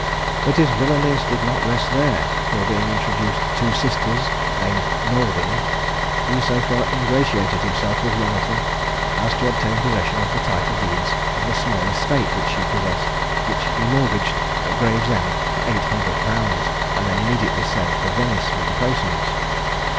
But his villanies did not rest there; for, being introduced to two sisters named Knowlding, he so far ingratiated himself with one of them, as to obtain possession of the title deeds of the small estate which she possessed, which he mortgaged at Gravesend for 800_l_., and then immediately sailed for Venice with the proceeds.